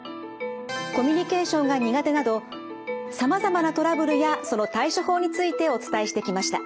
コミュニケーションが苦手などさまざまなトラブルやその対処法についてお伝えしてきました。